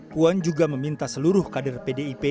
puan juga meminta seluruh kader pdip